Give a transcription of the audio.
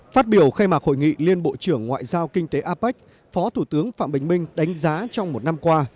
phát biểu khai mạc hội nghị liên bộ trưởng ngoại giao kinh tế apec phó thủ tướng phạm bình minh đánh giá trong một năm qua